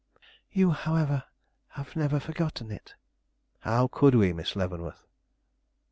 "You, however, have never forgotten it?" "How could we, Miss Leavenworth?"